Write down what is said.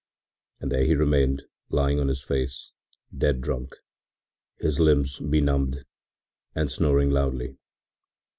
And there he remained lying on his face, dead drunk, his limbs benumbed, and snoring loudly.